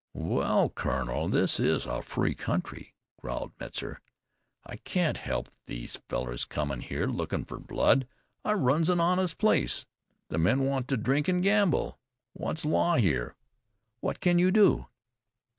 "Wal, kunnel, this is a free country," growled Metzar. "I can't help these fellars comin' here lookin' fer blood. I runs an honest place. The men want to drink an' gamble. What's law here? What can you do?"